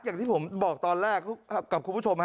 อย่างที่ผมบอกตอนแรกกับคุณผู้ชมฮะ